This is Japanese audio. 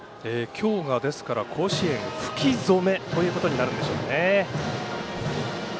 今日が甲子園吹き初めということになるでしょうね。